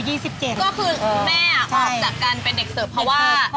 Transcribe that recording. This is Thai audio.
ก็คือแม่ออกจากการเป็นเด็กเสิร์ฟเพราะว่า